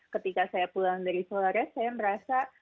ketika saya pulang dari flores saya merasa